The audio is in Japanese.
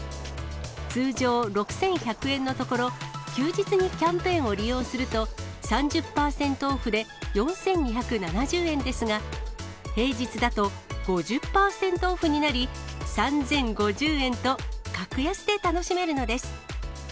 通常６１００円のところ、休日にキャンペーンを利用すると、３０％オフで４２７０円ですが、平日だと、５０％オフになり、３０５０円と格安で楽しめるのです。